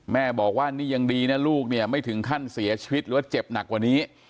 แม่บอกว่านี่ยังดีนะลูกเนี่ยไม่ถึงขั้นเสียชีวิตหรือว่าเจ็บหนักกว่านี้